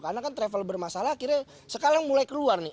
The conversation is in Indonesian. karena kan travel bermasalah akhirnya sekarang mulai keluar nih